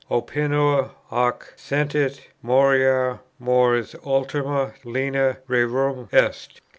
_" Opinor, Hoc sentit: _Moriar. Mors ultima linea rerum est.